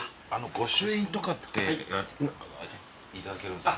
御朱印とかって頂けるんですか？